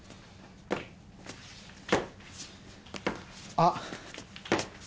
あっ。